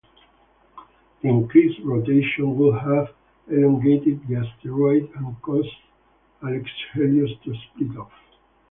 The increased rotation would have elongated the asteroid and caused Alexhelios to split off.